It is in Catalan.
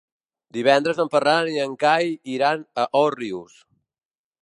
Divendres en Ferran i en Cai iran a Òrrius.